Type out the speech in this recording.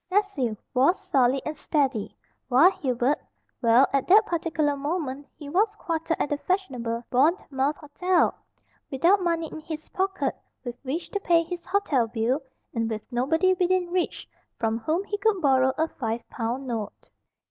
Cecil was solid and steady, while Hubert well, at that particular moment he was quartered at that fashionable Bournemouth hotel, without money in his pocket with which to pay his hotel bill, and with nobody within reach from whom he could borrow a five pound note.